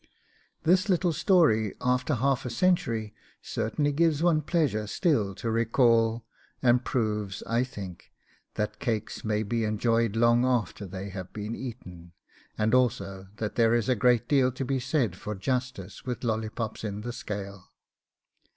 This little story after half a century certainly gives one pleasure still to recall, and proves, I think, that cakes may be enjoyed long after they have been eaten, and also that there is a great deal to be said for justice with lollipops in the scale.